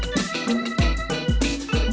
terima kasih bang